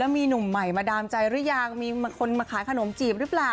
มีหนุ่มใหม่มาดามใจหรือยังมีคนมาขายขนมจีบหรือเปล่า